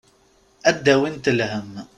Ad d-awint lhemm.